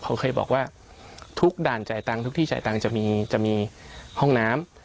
เขาเคยบอกว่าทุกด่านจ่ายตังค์ทุกที่จ่ายตังค์จะมีห้องน้ำ